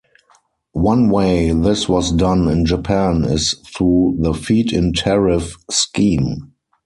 One way this was done in Japan is through the feed-in-tariff scheme.